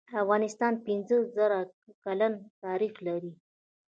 افغانستان پنځه زر کلن تاریخ لري.